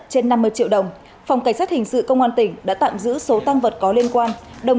trên năm mươi triệu đồng phòng cảnh sát hình sự công an tỉnh đã tạm giữ số tăng vật có liên quan